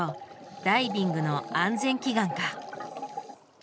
ダイビングの安全祈願か。